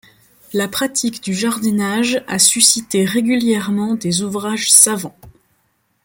La pratique du jardinage a suscité régulièrement des ouvrages savants.